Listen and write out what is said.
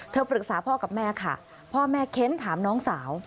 ปรึกษาพ่อกับแม่ค่ะพ่อแม่เค้นถามน้องสาว